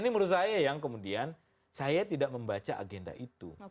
ini menurut saya yang kemudian saya tidak membaca agenda itu